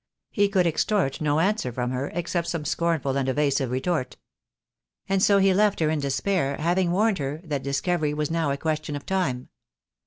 He could extort no answer from her, except some scornful and evasive retort. And so he left her in despair, having warned her that dis covery was now a question of time.